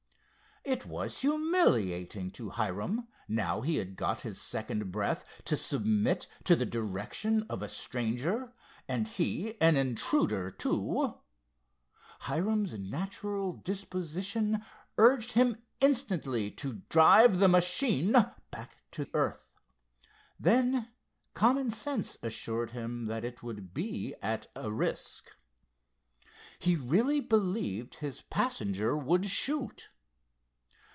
It was humiliating to Hiram, now he had got his second breath, to submit to the dictation of a stranger, and he an intruder, too. Hiram's natural disposition urged him instantly to drive the machine back to earth. Then common sense assured him that it would be at a risk. He really believed his passenger would shoot.